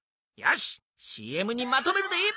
よしＣＭにまとめるで！